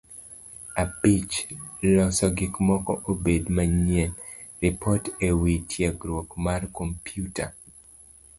Abich; Loso gik moko obed manyien. Ripot e wi tiegruok mar kompyuta